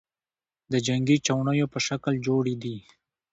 د جنگې چوڼیو په شکل جوړي دي،